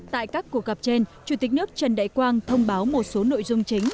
tại các cuộc gặp trên chủ tịch nước trần đại quang thông báo một số nội dung chính